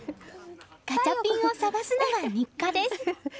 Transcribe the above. ガチャピンを探すのが日課です。